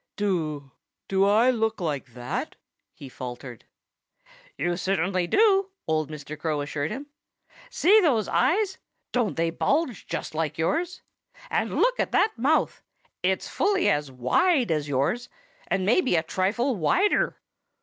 "Do I look like that?" he faltered. "You certainly do," old Mr. Crow assured him. "See those eyes don't they bulge just like yours? And look at that mouth! It's fully as wide as yours and maybe a trifle wider!"